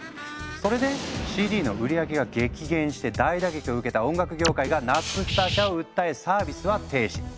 それでＣＤの売り上げが激減して大打撃を受けた音楽業界がナップスター社を訴えサービスは停止。